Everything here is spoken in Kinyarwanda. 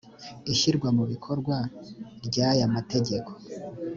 ishyirwa mu ibikorwa ry aya mategeko